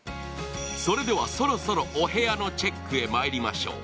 それではそろそろお部屋のチェックへまいりましょう。